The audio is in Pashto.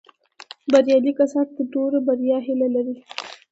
بریالي کسان د نورو د بریا هیله لري